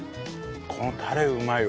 このタレうまいわ。